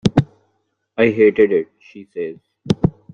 "I hated it," she says.